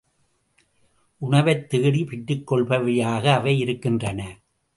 உணவைத் தேடிப் பெற்றுக் கொள்பவையாக அவை இருக்கின்றன.